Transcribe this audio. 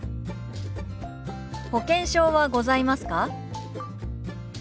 「保険証はございますか？」。